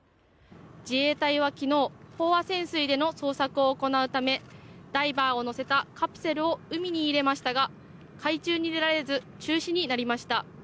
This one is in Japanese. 自衛隊は昨日飽和潜水での捜索を行うためダイバーを乗せたカプセルを海に入れましたが海中に出られず中止になりました。